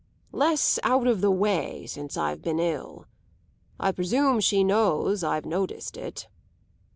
less out of the way since I've been ill. I presume she knows I've noticed it."